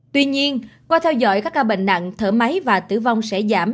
tuy nhiên qua theo dõi các ca bệnh nặng thở máy và tử vong sẽ giảm